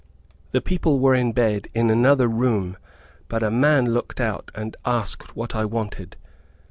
The people were in bed, in another room, but a man looked out, and asked what I wanted.